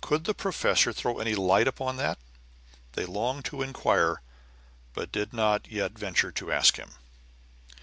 Could the professor throw any light upon that? they longed to inquire, but did not yet venture to ask him.